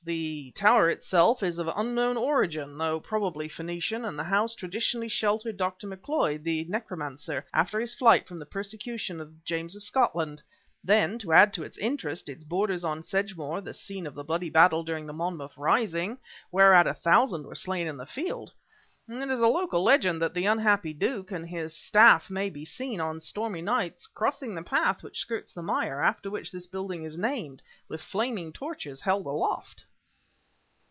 The tower itself is of unknown origin, though probably Phoenician, and the house traditionally sheltered Dr. Macleod, the necromancer, after his flight from the persecution of James of Scotland. Then, to add to its interest, it borders on Sedgemoor, the scene of the bloody battle during the Monmouth rising, whereat a thousand were slain on the field. It is a local legend that the unhappy Duke and his staff may be seen, on stormy nights, crossing the path which skirts the mire, after which this building is named, with flaming torches held aloft."